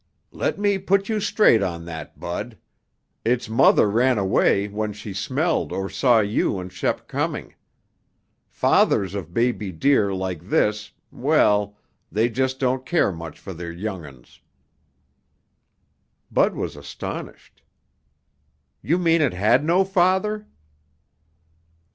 "Let me put you straight on that, Bud. Its mother ran away when she smelled or saw you and Shep coming. Fathers of baby deer like this, well, they just don't care much for their young 'uns." Bud was astonished. "You mean it had no father?"